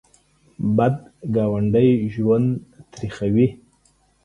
بد ګاونډی ژوند تریخوي